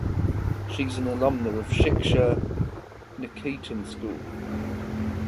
She is an alumna of Shiksha Niketan school.